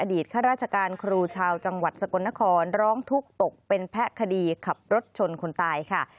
ข้าราชการครูชาวจังหวัดสกลนครร้องทุกข์ตกเป็นแพะคดีขับรถชนคนตายค่ะ